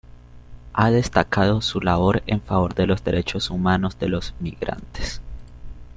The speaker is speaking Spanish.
Ha destacado su labor en favor de los derechos humanos de los migrantes.